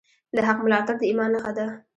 د حق ملاتړ د ایمان نښه ده.